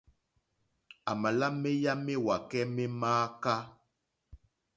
À mà lá méyá méwàkɛ́ mé mááká.